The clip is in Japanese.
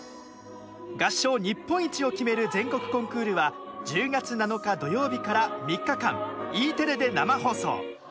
合唱日本一を決める全国コンクールは１０月７日土曜日から３日間Ｅテレで生放送。